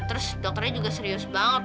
terus dokternya juga serius banget